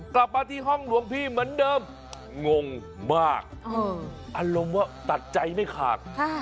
กลับมาที่ห้องหลวงพี่เหมือนเดิมงงมากอารมณ์ว่าตัดใจไม่ขาด